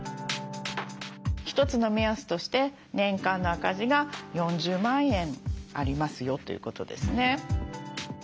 一つの目安として年間の赤字が４０万円ありますよということですね。